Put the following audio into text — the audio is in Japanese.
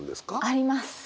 あります！